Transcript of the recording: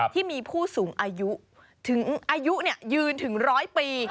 ที่มีผู้สูงอายุยืนถึง๑๐๐ปี